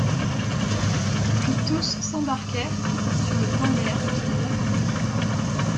Puis tous s’embarquèrent sur le tender qui les attendait.